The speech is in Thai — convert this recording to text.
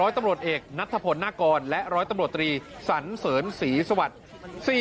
๑๐๐ตำรวจเอกนัตทธพนากอร์และ๑๐๐ตำรวจตรีศศเสรินศรีสวัตดิ์